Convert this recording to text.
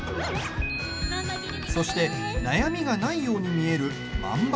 そして悩みがないように見える万場